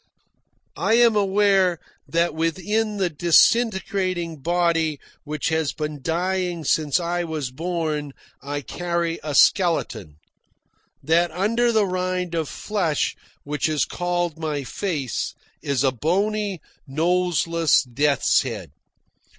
I am aware that within this disintegrating body which has been dying since I was born I carry a skeleton, that under the rind of flesh which is called my face is a bony, noseless death's head.